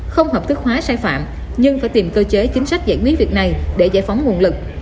không hợp thức hóa sai phạm nhưng phải tìm cơ chế chính sách giải quyết việc này để giải phóng nguồn lực